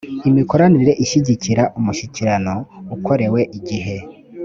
imikoranire ishyigikira umushyikirano ukorewe igihe